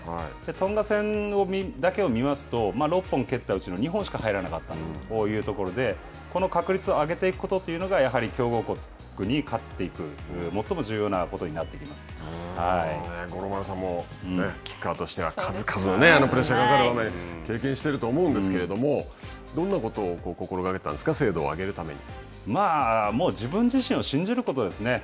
トンガ戦だけを見ますと、６本蹴ったうちの２本しか入らなかったというところで、この確率を上げていくことというのが、やはり強豪国に勝っていく、もっとも重要なことにな五郎丸さんも、キッカーとしては数々のプレッシャーがかかる場面を経験していると思うんですけれども、どんなことを心がけたんですか精度を上げるために。